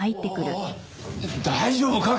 大丈夫か？